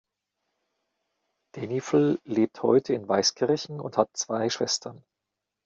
Denifl lebt heute in Weißkirchen und hat zwei Schwestern.